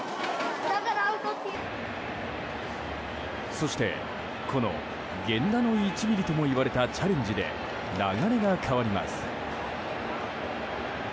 そして、この源田の１ｍｍともいわれたチャレンジで流れが変わります。